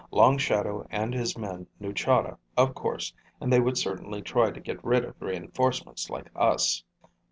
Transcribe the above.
Long Shadow and his men knew Chahda, of course, and they would certainly try to get rid of reinforcements like us."